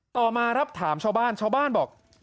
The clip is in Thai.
ต่อมาถามชาวบ้านเช้าบ้านบอก